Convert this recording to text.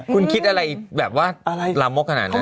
คุณคิดอะไรแบบว่าลามกขนาดนั้น